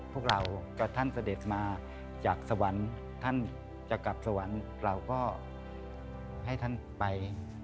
พวกเรากับท่านเสด็จมาจากสวรรค์ท่านจะกลับสวรรค์เราก็ให้ท่านไป